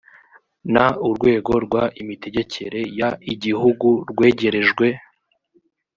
n urwego rw imitegekere y igihugu rwegerejwe